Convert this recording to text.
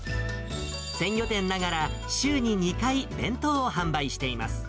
鮮魚店ながら、週に２回、弁当を販売しています。